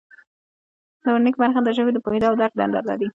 د ورنیک برخه د ژبې د پوهیدو او درک دنده لري